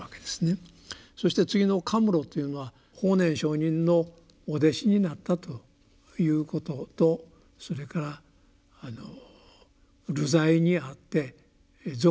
そして次の「禿」というのは法然上人のお弟子になったということとそれから流罪にあって俗人にされてしまうわけですね。